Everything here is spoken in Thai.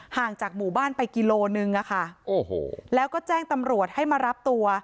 ห่างจากหมู่บ้านไปกิโลนึงอะค่ะโอ้โหแล้วก็แจ้งตำรวจให้มารับตัว